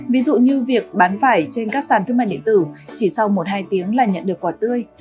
ví dụ như việc bán vải trên các sàn thương mại điện tử chỉ sau một hai tiếng là nhận được quả tươi